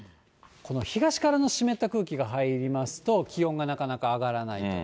この東からの湿った空気が入りますと、気温がなかなか上がらない。